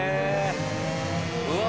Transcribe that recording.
うわ！